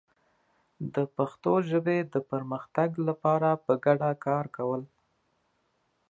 د پښتو ژبې د پرمختګ لپاره په ګډه کار کول